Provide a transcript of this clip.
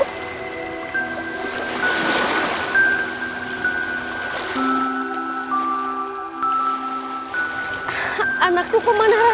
hai anakku ke mana rasa